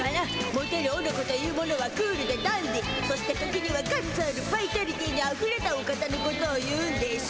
モテるオノコというものはクールでダンディーそして時にはガッツあるバイタリティーにあふれたお方のことを言うんでしゅ。